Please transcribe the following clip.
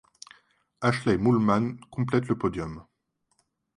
Ashleigh Moolman complète le podium.